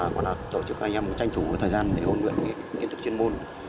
còn là tổ chức anh em tranh thủ thời gian để ôn nguyện kiến thức chuyên môn